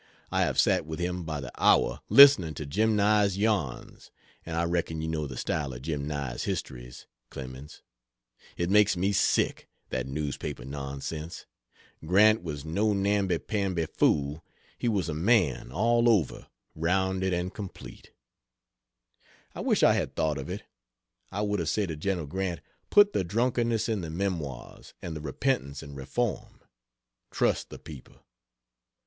I have sat with him by the hour listening to Jim Nye's yarns, and I reckon you know the style of Jim Nye's histories, Clemens. It makes me sick that newspaper nonsense. Grant was no namby pamby fool, he was a man all over rounded and complete." I wish I had thought of it! I would have said to General Grant: "Put the drunkenness in the Memoirs and the repentance and reform. Trust the people."